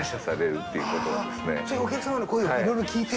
お客様の声をいろいろ聞いて。